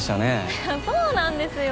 ははっそうなんですよ。